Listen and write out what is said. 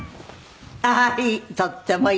ああーいい。